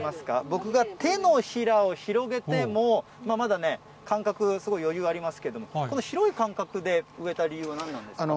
僕が手のひらを広げても、まだね、間隔、すごい余裕ありますけれども、この広い間隔で植えた理由は何なんですか。